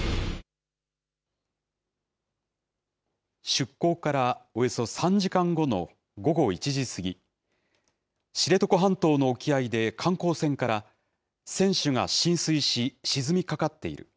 出港からおよそ３時間後の午後１時過ぎ、知床半島の沖合で観光船から、船首が浸水し沈みかかっている。